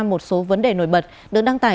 một số vấn đề nổi bật được đăng tải